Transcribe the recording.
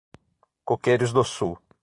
Coqueiros do Sul